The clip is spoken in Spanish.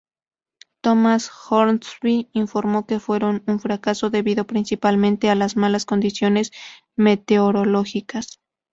Thomas Hornsby informó que fueron un fracaso, debido principalmente a las malas condiciones meteorológicas.